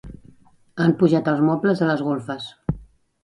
Han pujat els mobles a les golfes.